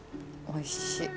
おいしい！